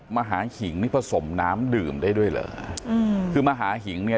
มหาหิงนี่ผสมน้ำดื่มได้ด้วยเหรออืมคือมหาหิงเนี่ย